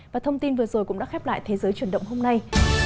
và thông tin vừa rồi cũng đã khép lại thế giới chuyển động hôm nay